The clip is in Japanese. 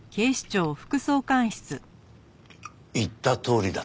言ったとおりだったろ？